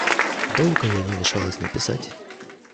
Долго я не решалась написать.